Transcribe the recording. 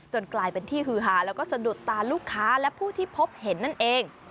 กลายเป็นที่ฮือหาแล้วก็สะดุดตาลูกค้าและผู้ที่พบเห็นนั่นเอง